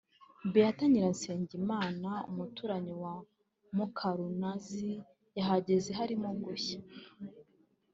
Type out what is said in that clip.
Beatha Nyiransengimana umuturanyi wa Mukarunazi yahageze harimo gushya